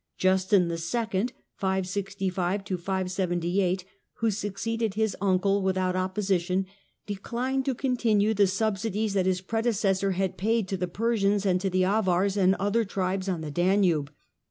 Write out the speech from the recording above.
/ Justin II. (565 578), who succeeded his uncle without opposition, declined to continue the subsidies that his predecessor had paid to the Persians and to the Avars and other tribes on the Danube.